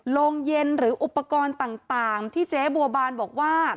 โรงเย็นหรืออุปกรณ์ต่างที่เจ๊บัวบานบอกว่า